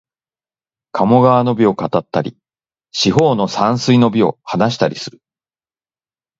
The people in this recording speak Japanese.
鴨川の美を語ったり、四方の山水の美を話したりする